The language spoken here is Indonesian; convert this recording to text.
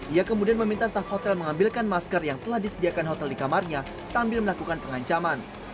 ia kemudian meminta staf hotel mengambilkan masker yang telah disediakan hotel di kamarnya sambil melakukan pengancaman